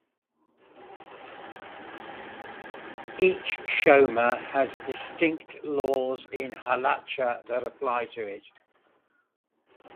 Each shomer has distinct laws in "halacha" that apply to it.